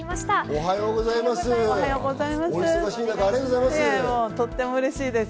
おはようございます。